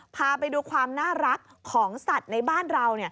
พาไปดูความน่ารักของสัตว์ในบ้านเรา